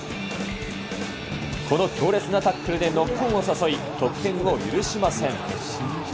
この強烈なタックルでノックオンを誘い、得点を許しません。